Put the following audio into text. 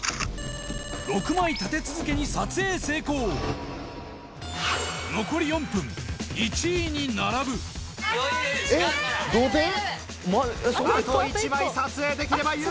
６枚立て続けに撮影成功残り４分１位に並ぶ余裕余裕！